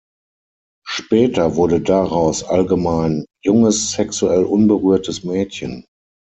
Später wurde daraus allgemein ‘junges, sexuell unberührtes Mädchen’.